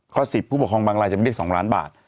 ๑๐ผู้ปกครองบางรายจะไม่ได้๒ล้านบาท